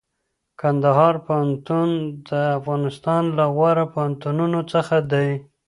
کندهار پوهنتون د افغانستان له غوره پوهنتونونو څخه دئ.